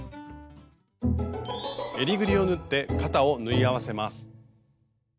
えりぐりを縫って肩を縫い合わせます。